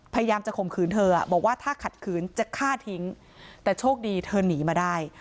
พยายามจะข่มขืนเธอบอกว่าถ้าขัดขืนจะฆ่าทิ้งแต่โชคดีเธอหนีมาได้